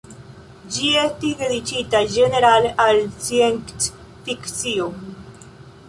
Ĝi estis dediĉita ĝenerale al sciencfikcio.